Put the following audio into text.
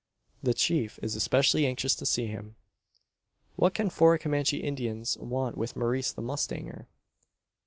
The chief is especially anxious to see him. What can four Comanche Indians want with Maurice the mustanger?